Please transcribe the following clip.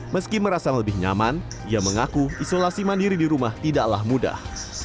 meski merasa lebih nyaman ia mengaku isolasi mandiri di rumah tidaklah mudah